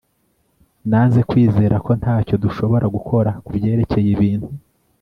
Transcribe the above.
nanze kwizera ko ntacyo dushobora gukora kubyerekeye ibintu